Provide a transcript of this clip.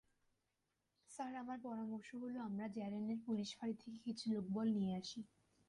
Sir, আমার পরামর্শ হল আমরা জ্যারেনের পুলিশ ফাঁড়ি থেকে কিছু লোকবল নিয়ে আসি।